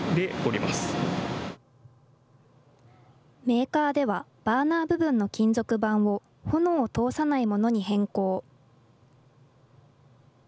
メーカーでは、バーナー部分の金属板を炎を通さないものに変更。